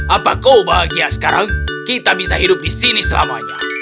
apa kau bahagia sekarang kita bisa hidup di sini selamanya